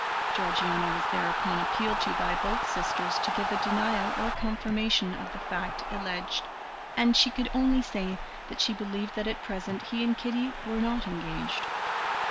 Georgiana was thereupon appealed to by both sisters to give a denial or confirmation of the fact alleged, and she could only say that she believed that at present he and Kitty were not engaged.